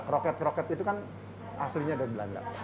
kroket kroket itu kan aslinya dari belanda